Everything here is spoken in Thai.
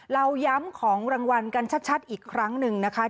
เราย้ำของรางวัลกันชัดอีกครั้งหนึ่งนะคะ